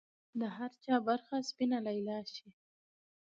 د هر چا برخه سپینه لیلا شي